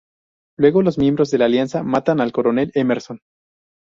Luego los miembros de la Alianza matan al coronel Emerson.